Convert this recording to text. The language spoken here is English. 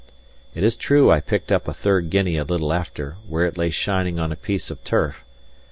It is true I picked up a third guinea a little after, where it lay shining on a piece of turf.